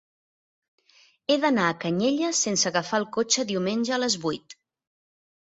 He d'anar a Canyelles sense agafar el cotxe diumenge a les vuit.